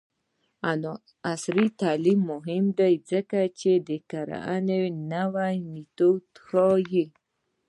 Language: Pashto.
عصري تعلیم مهم دی ځکه چې د کرنې نوې میتودونه ښيي.